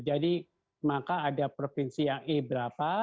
jadi maka ada provinsi yang e berapa